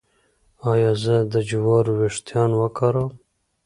ایا زه د جوارو ويښتان وکاروم؟